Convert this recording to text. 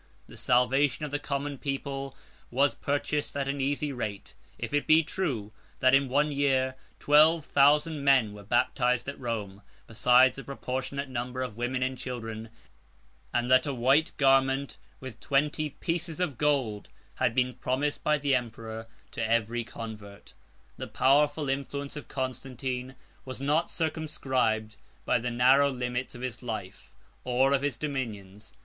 74 The salvation of the common people was purchased at an easy rate, if it be true that, in one year, twelve thousand men were baptized at Rome, besides a proportionable number of women and children, and that a white garment, with twenty pieces of gold, had been promised by the emperor to every convert. 75 The powerful influence of Constantine was not circumscribed by the narrow limits of his life, or of his dominions.